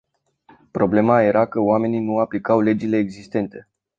Problema era că oamenii nu aplicau legile existente.